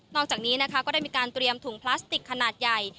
อกจากนี้นะคะก็ได้มีการเตรียมถุงพลาสติกขนาดใหญ่